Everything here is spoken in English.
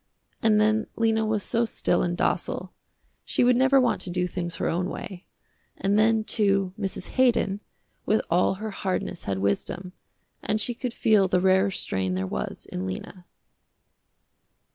And then Lena was so still and docile, she would never want to do things her own way. And then, too, Mrs. Haydon, with all her hardness had wisdom, and she could feel the rarer strain there was in Lena.